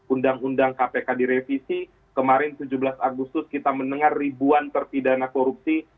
undang undang kpk direvisi kemarin tujuh belas agustus kita mendengar ribuan terpidana korupsi